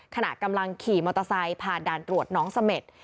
ขณะกำลังขี่มอเตอร์ไซค์ผ่านด่านตรวจน้องเสม็ด